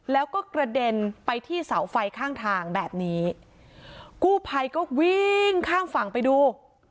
แล้วก็กระเด็นไปที่เสาไฟข้างทางแบบนี้กู้ภัยก็วิ่งข้ามฝั่งไปดู